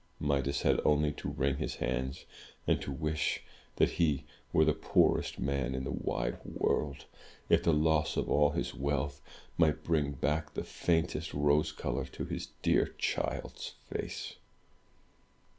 285 MY BOOK HOUSE Midas had only to wring his hands, and to wish that he were the poorest man in the wide world, if the loss of all his wealth might bring back the faintest rose color to his dear child's face.